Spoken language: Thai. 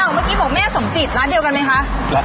เมื่อกี้บอกแม่สมจิตร้านเดียวกันไหมคะ